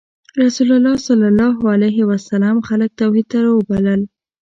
رسول الله ﷺ خلک توحید ته رابلل.